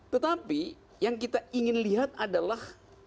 tetapi yang kita ingin lihat adalah